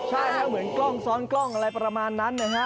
ใช่ฮะเหมือนกล้องซ้อนกล้องอะไรประมาณนั้นนะฮะ